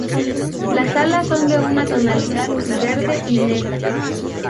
Las alas son de una tonalidad verde y negra.